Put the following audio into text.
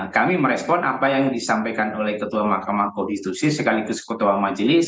kami merespon apa yang disampaikan oleh ketua mahkamah konstitusi sekaligus ketua majelis